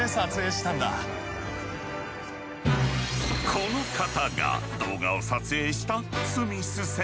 この方が動画を撮影したスミス先生。